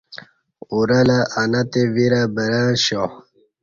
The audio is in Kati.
اورہ لہ انہ تے ویرہ برں اشیا